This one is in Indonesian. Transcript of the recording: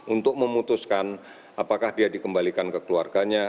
untuk memutuskan apakah dia dikembalikan ke keluarganya